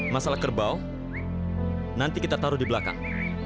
masalah kerbau nanti kita taruh di belakang